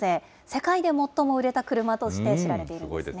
世界で最も売れた車として知られているんですね。